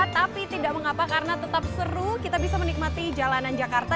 tapi tidak mengapa karena tetap seru kita bisa menikmati jalanan jakarta